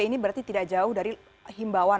ini berarti tidak jauh dari himbauan